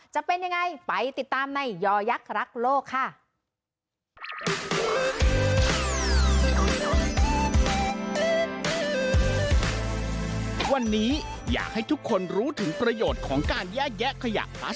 จะเป็นยังไงไปติดตามในยอยักษ์รักโลกค่ะ